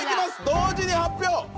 同時に発表。